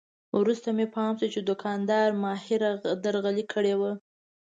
وروسته مې پام شو چې دوکاندار ماهره درغلي کړې وه.